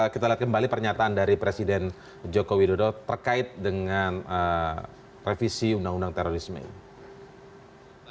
kita lihat kembali pernyataan dari presiden joko widodo terkait dengan revisi undang undang terorisme ini